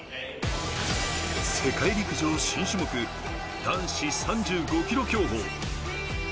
世界陸上新種目、男子３５ｋｍ競歩。